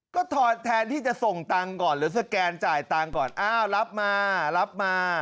ก็ถอดแทนที่จะส่งตังค์ก่อนหรือสแกนจ่ายตังค์ก่อนอ้าวรับมารับมา